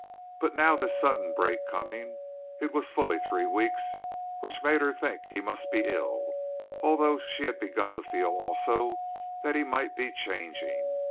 But now this sudden break coming it was fully three weeks made her think he must be ill, although she had begun to feel also that he might be changing.